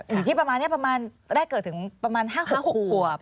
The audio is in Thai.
อยู่ที่ประมาณแรกเกิดถึงประมาณ๕๖ปวบ